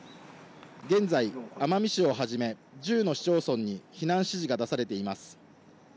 現在、奄美市をはじめ、１０の市町村に避難指示が出されています。